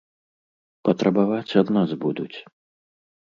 Патрабаваць ад нас будуць.